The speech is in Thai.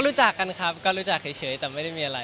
รู้จักกันครับก็รู้จักเฉยแต่ไม่ได้มีอะไร